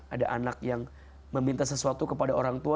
ada anak yang meminta sesuatu kepada orang tua